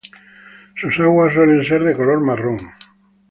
Sus aguas suelen ser de color marrón.